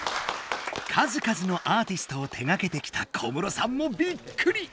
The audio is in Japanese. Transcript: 数数のアーティストを手がけてきた小室さんもびっくり！